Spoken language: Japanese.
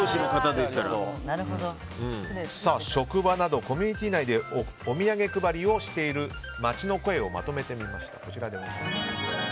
職場などコミュニティー内でお土産配りをしている街の声をまとめてみました。